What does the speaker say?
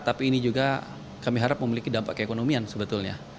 tapi ini juga kami harap memiliki dampak keekonomian sebetulnya